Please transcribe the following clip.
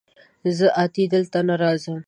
زه اتي دلته نه راځم